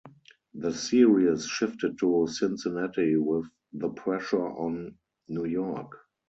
The series shifted to Cincinnati with the pressure on New York.